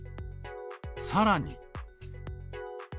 さらに。